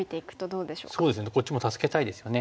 そうですよねこっちも助けたいですよね。